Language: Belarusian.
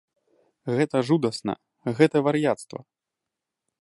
Гэта жудасна, гэта вар'яцтва!